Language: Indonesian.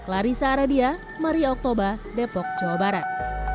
larissa aradia maria oktober depok jawa barat